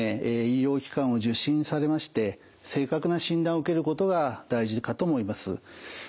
医療機関を受診されまして正確な診断を受けることが大事かと思います。